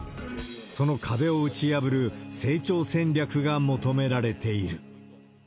その壁を打ち破る成長戦略が求められている。